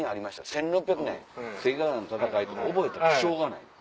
１６００年関ヶ原の戦いとか覚えたってしょうがない。